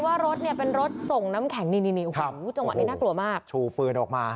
ว่ารถเนี่ยเป็นรถส่งน้ำแข็งจังหวัดนี้น่ากลัวมากชูปืนออกมา